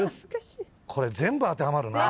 これ全部当てはまるなぁ。